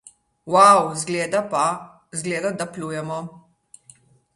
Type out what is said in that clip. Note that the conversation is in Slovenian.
Wau! Zgleda, da plujemo!